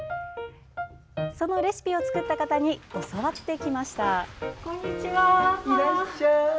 そのレシピを作った方に教わってきました。